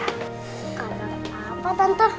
kabar apa tante